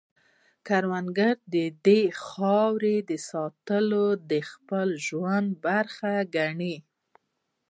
کروندګر د خاورې ساتنه د خپل ژوند برخه ګڼي